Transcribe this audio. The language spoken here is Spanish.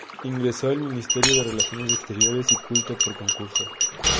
Ingresó al Ministerio de Relaciones Exteriores y Culto por concurso.